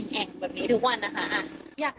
ตรงนี้เนี่ยจะเป็นน้ำมันทั้งหมดเลย